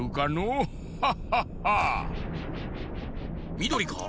みどりか？